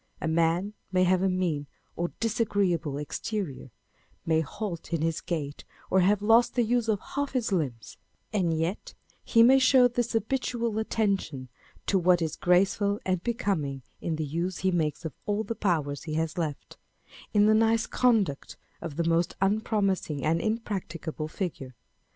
A man may have a mean or disagreeable exterior, may halt in his gait, or have lost the use of half his limbs ; and yet he may show this habitual attention to what is graceful and becoming in the use he makes of all the power he has left, â€" in the "nice conduct" of the most unpromising and imprac ticable figure.